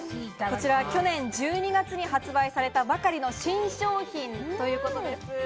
去年１２月に発売されたばかりの新商品ということです。